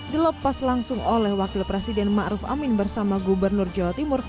dilepas langsung oleh wakil presiden ma'ruf amin bersama gubernur jawa timur